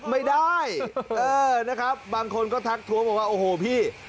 ไม่ได้เออนะครับบางคนก็ทักท้วงบอกว่าโอ้โหพี่